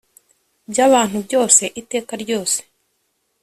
by abantu byose iteka ryose